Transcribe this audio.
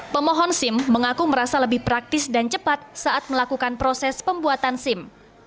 pemohon sim mengaku merasa lebih praktis dan cepat saat melakukan proses pembuatan sim